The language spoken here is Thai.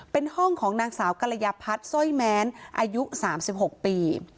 เป็นห้องของนางสาวกรยาพัฒน์สร้อยแม้นอายุ๓๖ปี